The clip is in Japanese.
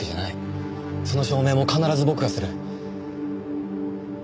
その証明も必ず僕がする。